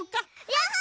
やった！